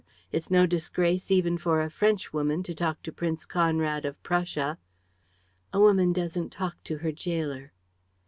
It's no disgrace, even for a Frenchwoman, to talk to Prince Conrad of Prussia!' "'A woman doesn't talk to her gaoler.'